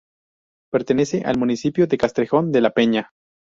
Pertenece al municipio de Castrejón de la Peña.